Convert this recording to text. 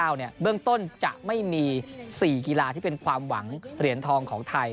เบื้องต้นจะไม่มี๔กีฬาที่เป็นความหวังเหรียญทองของไทย